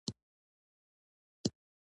دوی ښکلي لوښي جوړوي.